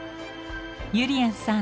ゆりやんさん